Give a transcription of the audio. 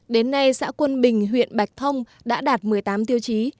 đến nay xã quân bình huyện bạch thông đã đạt một mươi tám tiêu chí